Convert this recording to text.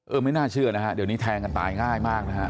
ไม่น่าเชื่อนะฮะเดี๋ยวนี้แทงกันตายง่ายมากนะฮะ